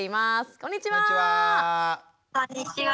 こんにちは。